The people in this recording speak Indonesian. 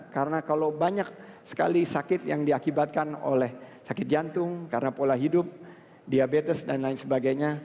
karena kalau banyak sekali sakit yang diakibatkan oleh sakit jantung karena pola hidup diabetes dan lain sebagainya